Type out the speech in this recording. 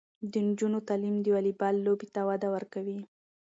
د نجونو تعلیم د والیبال لوبې ته وده ورکوي.